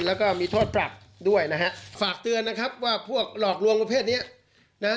แล้วก็มีโทษปรับด้วยนะฮะฝากเตือนนะครับว่าพวกหลอกลวงประเภทเนี้ยนะฮะ